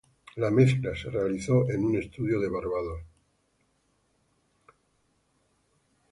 La mezcla se realizó en un estudio en Barbados.